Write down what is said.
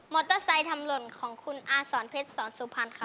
มอเตอร์ไซค์ทำลนของคุณอาสรเพชรสอนสุพรรณครับ